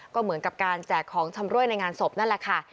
ก็เหมือนกับการแจกของชำรวยในงานศพนั่นแหละค่ะ